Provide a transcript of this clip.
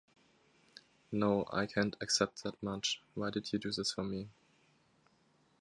No, I can't accept that much. Why did you do this for me?